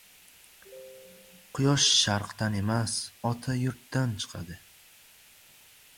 • Quyosh sharqdan emas ota yurtdan chiqadi.